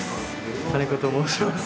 金子と申します。